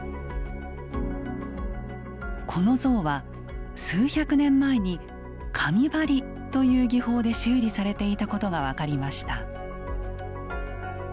この像は数百年前に「紙貼り」という技法で修理されていたことが分かりました。